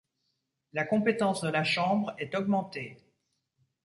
La compétence de la Chambre est augmentée.